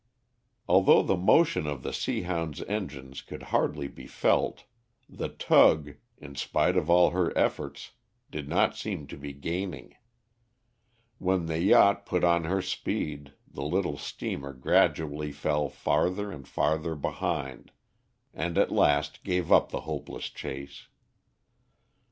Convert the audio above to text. Although the motion of the Seahound's engines could hardly be felt, the tug, in spite of all her efforts, did not seem to be gaining. When the yacht put on her speed the little steamer gradually fell farther and farther behind, and at last gave up the hopeless chase.